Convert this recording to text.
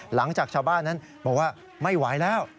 หลังจากชาวบ้านนั้นบอกว่าไม่ไหวแล้ว